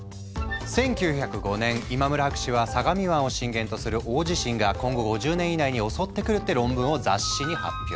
１９０５年今村博士は「相模湾を震源とする大地震が今後５０年以内に襲ってくる」って論文を雑誌に発表。